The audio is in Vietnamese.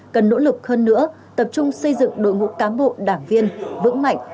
cần nỗ lực hơn nữa tập trung xây dựng đội ngũ cán bộ đảng viên vững mạnh